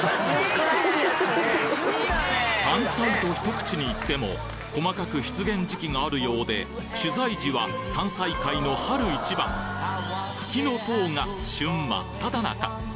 山菜とひと口に言っても細かく出現時期があるようで取材時は山菜界の春一番が旬真っただ中